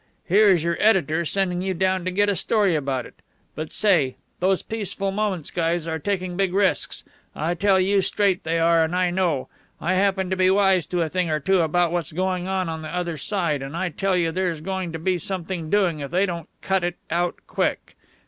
Here is your editor sending you down to get a story about it. But, say, those Peaceful Moments guys are taking big risks. I tell you straight they are, and I know. I happen to be wise to a thing or two about what's going on on the other side, and I tell you there's going to be something doing if they don't cut it out quick.